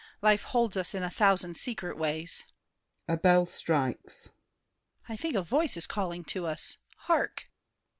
Life holds us in a thousand secret ways. [A bell strikes. I think a voice is calling to us. Hark!